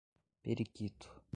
Periquito